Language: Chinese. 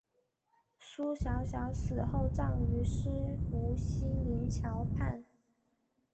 苏小小死后葬于西湖西泠桥畔。